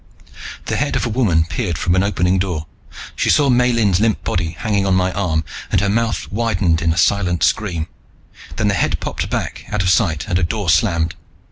The head of a woman peered from an opening door. She saw Miellyn's limp body hanging on my arm and her mouth widened in a silent scream. Then the head popped back out of sight and a door slammed.